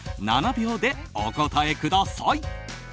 ７秒でお答えください。